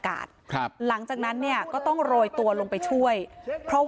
ก็เอาออกซิเจนลงไปที่ก้นบ่อใช่มั้ยคะก็เอาออกซิเจนลงไปที่ก้นบ่อใช่มั้ยคะ